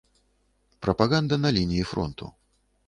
Прапаганда на лініі фронту.